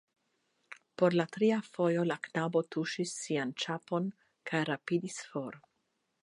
Por la tria fojo la knabo tuŝis sian ĉapon kaj rapidis for.